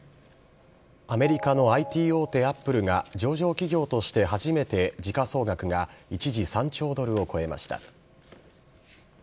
アメリカのＩＴ大手、アップルが上場企業として初めて時価総額が一時３兆ドルを超えました。